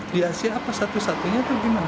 di asia apa satu satunya itu gimana